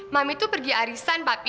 mami tuh pergi arisan papi